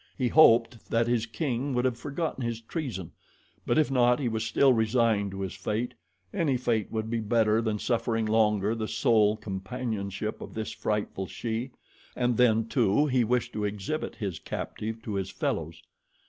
He hoped that his king would have forgotten his treason; but if not he was still resigned to his fate any fate would be better than suffering longer the sole companionship of this frightful she, and then, too, he wished to exhibit his captive to his fellows.